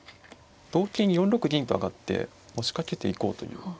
同金に４六銀と上がってもう仕掛けていこうという。